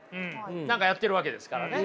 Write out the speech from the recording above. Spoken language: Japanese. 何かをやっているわけですからね。